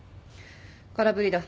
空振りだ。